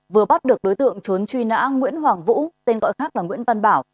vừa bắt được đối tượng trốn truy nã nguyễn hoàng vũ tên gọi khác là nguyễn văn bảo